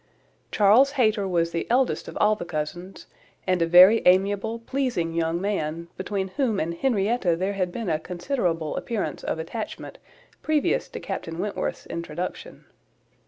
Charles Hayter was the eldest of all the cousins, and a very amiable, pleasing young man, between whom and Henrietta there had been a considerable appearance of attachment previous to Captain Wentworth's introduction.